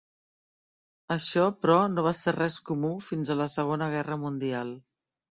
Això, però, no va ser res comú fins a la Segona Guerra Mundial.